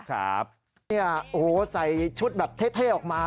ท่านนี่ใส่ชุดแบบเท่ออกมา